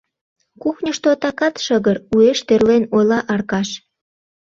— Кухньышто такат шыгыр, — уэш тӧрлен ойла Аркаш.